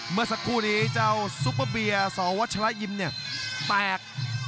เมื่อสักครู่นี้เจ้าซุปเปอร์เบียร์สวัชละยิมเนี่ยแตก